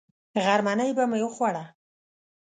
غرمنۍ به مې وخوړه.